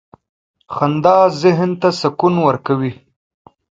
• خندا ذهن ته سکون ورکوي.